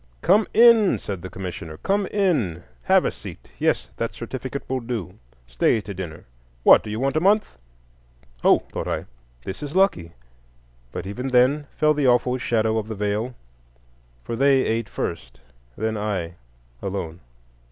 "Come in," said the commissioner,—"come in. Have a seat. Yes, that certificate will do. Stay to dinner. What do you want a month?" "Oh," thought I, "this is lucky"; but even then fell the awful shadow of the Veil, for they ate first, then I—alone.